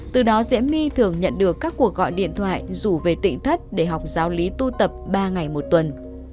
từ đó diễm my thường nhận được các cuộc gọi điện thoại rủ về tỉnh thất để học giáo lý tu tập ba ngày một tuần